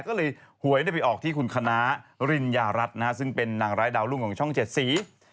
ก็เลยหวยไปออกที่คุณคณะริญญารัฐนะฮะซึ่งเป็นนางร้ายดาวรุ่งของช่องเจ็ดสี